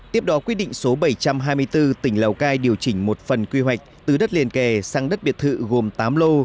tiếp đó quyết định số bảy trăm hai mươi bốn tỉnh lào cai điều chỉnh một phần quy hoạch từ đất liền kề sang đất biệt thự gồm tám lô